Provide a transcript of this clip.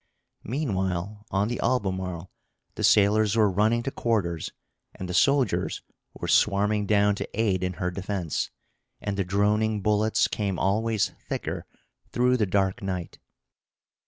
Meanwhile, on the Albemarle the sailors were running to quarters, and the soldiers were swarming down to aid in her defense; and the droning bullets came always thicker through the dark night.